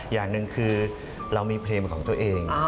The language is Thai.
อย่างหนึ่งคือเรามีเพลงของตัวเอง